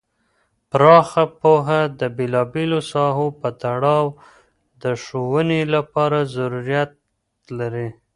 پراخ پوهه د بیلا بیلو ساحو په تړاو د ښوونې لپاره ضروریت لري.